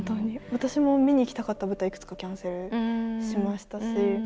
私も見に行きたかった舞台いくつかキャンセルしましたし。